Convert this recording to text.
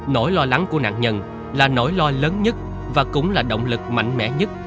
nỗi lo lắng của nạn nhân là nỗi lo lớn nhất và cũng là động lực mạnh mẽ nhất